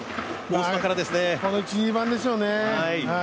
この１、２番でしょうね。